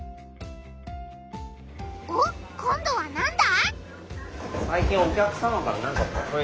おっ今どはなんだ？